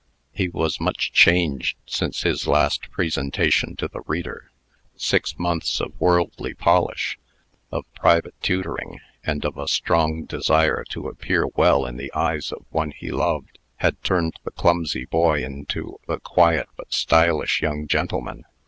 He was much changed since his last presentation to the reader. Six months of worldly polish, of private tutoring, and of a strong desire to appear well in the eyes of one he loved, had turned the clumsy boy into the quiet but stylish young gentleman.